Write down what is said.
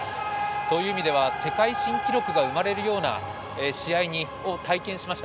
そういう意味では世界新記録が生まれるような試合を体験しました。